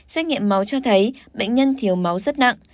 xét nghiệm máu cho thấy bệnh nhân thiếu máu rất nặng